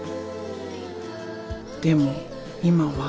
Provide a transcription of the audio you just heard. でも今は。